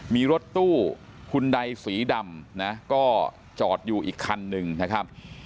มีรถตู้คุณใดสีดำนะก็จอดอยู่อีกคันหนึ่งนะครับ